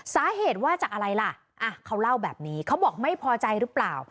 สาเหตุว่าจากอะไรล่ะเขาเล่าแบบนี้เขาบอกไม่พอใจหรือเปล่า